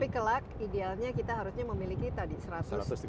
tapi kelak idealnya kita harusnya memiliki tadi satu ratus tiga puluh empat ribu